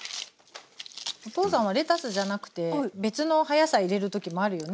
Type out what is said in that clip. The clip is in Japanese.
お父さんはレタスじゃなくて別の葉野菜入れる時もあるよね。